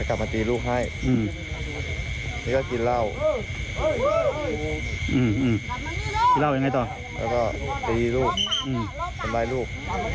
ก็ตีลูกกลับมาลงไปลูก